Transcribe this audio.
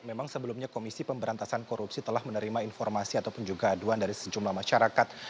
memang sebelumnya komisi pemberantasan korupsi telah menerima informasi ataupun juga aduan dari sejumlah masyarakat